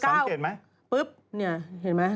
สังเกตไหม๊ปึ๊บนี่เห็นไหมสังเกตไหม